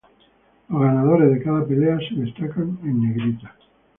Los ganadores de cada pelea se destacan en negrita.